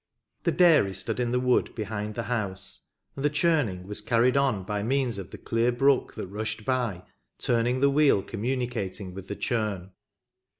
The dairy stood in the wood behind the house, and the churning was carried on by means of the clear brook that rushed by, turning the wheel communicating with the churn.